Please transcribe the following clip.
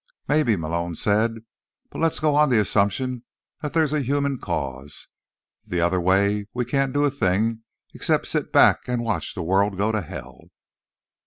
"Maybe," Malone said. "But let's go on the assumption that there's a human cause. The other way, we can't do a thing except sit back and watch the world go to hell."